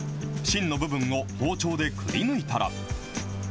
芯の部分を包丁でくりぬいたら。